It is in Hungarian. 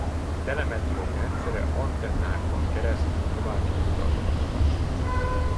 Telemetriai rendszere antennákon keresztül továbbította az adatokat.